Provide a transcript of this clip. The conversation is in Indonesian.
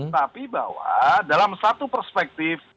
tapi bahwa dalam satu perspektif